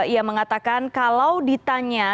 ia mengatakan kalau ditanya